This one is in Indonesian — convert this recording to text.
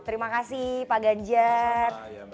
terima kasih pak ganjar